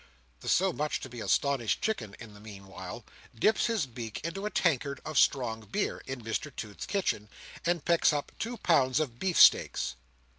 The so much to be astonished Chicken, in the meanwhile, dips his beak into a tankard of strong beer, in Mr Toots's kitchen, and pecks up two pounds of beefsteaks.